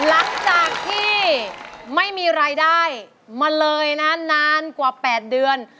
หลังจากที่ไม่มีรายได้มาเลยนะนานกว่า๘เดือน